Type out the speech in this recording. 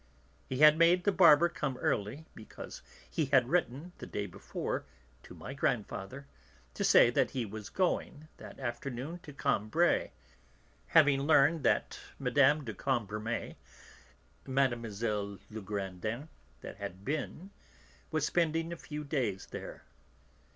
He had made the barber come early because he had written, the day before, to my grandfather, to say that he was going, that afternoon, to Combray, having learned that Mme. de Cambremer Mlle. Legrandin that had been was spending a few days there.